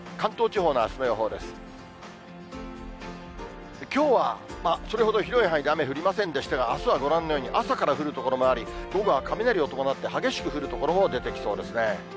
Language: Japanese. きょうはそれほど広い範囲で雨降りませんでしたが、あすはご覧のように、朝から降る所もあり、午後は雷を伴って、激しく降る所も出てきそうですね。